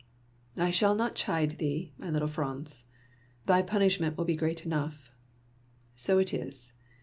*' I shall not chide thee, my little Franz ; thy punishment will be great enough. So it is